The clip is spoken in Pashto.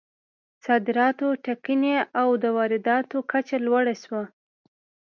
صادرات ټکني او د وارداتو کچه لوړه شوه.